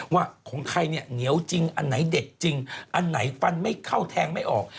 ว่าของใครเนี่ยเหนียวจริงอันไหนเด็ดจริงอันไหนฟันไม่เข้าแทงไม่ออก